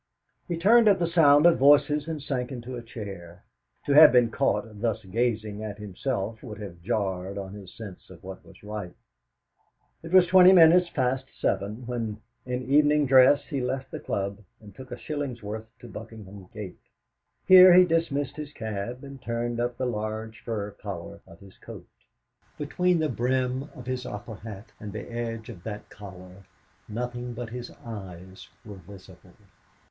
He turned at the sound of voices and sank into a chair. To have been caught thus gazing at himself would have jarred on his sense of what was right. It was twenty minutes past seven, when, in evening dress, he left the club, and took a shilling's worth to Buckingham Gate. Here he dismissed his cab, and turned up the large fur collar of his coat. Between the brim of his opera hat and the edge of that collar nothing but his eyes were visible.